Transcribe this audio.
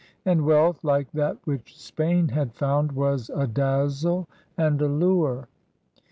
And wealth like that which Spain had found was a dazzle and a lure.